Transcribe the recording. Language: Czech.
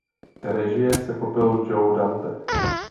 Režie se chopil Joe Dante.